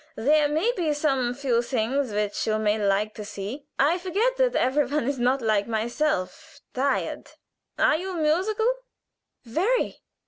There may be some few things which you may like to see. I forget that every one is not like myself tired. Are you musical?" "Very!"